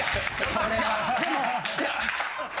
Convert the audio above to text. これは。